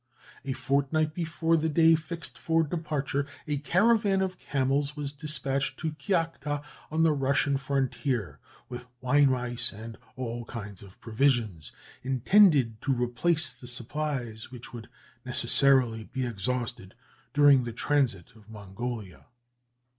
A fortnight before the day fixed for departure, a caravan of camels was despatched to Kiakhta, on the Russian frontier, with wine, rice, and all kinds of provisions, intended to replace the supplies which would necessarily be exhausted during the transit of Mongolia.